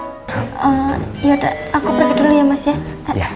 ya udah aku pergi dulu ya mas ya